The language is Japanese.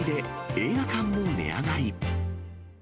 映画館も値上がり。